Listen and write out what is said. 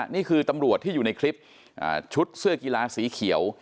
นี่คือตำรวจที่อยู่ในคลิปชุดเสื้อกีฬาสีเขียว